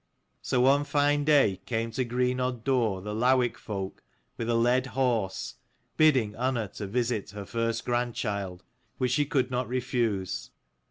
So one fine day came to Greenodd door the Lowick folk, with a led horse, bidding Unna to visit her first grandchild, which she could not refuse.